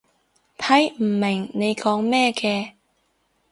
睇唔明你講咩嘅